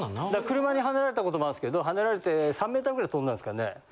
車にはねられた事もあるんすけどはねられて３ｍぐらい飛んだんすかね。